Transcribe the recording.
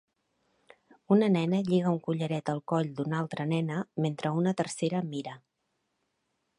Una nena lliga un collaret al coll d'una altra nena mentre una tercera mira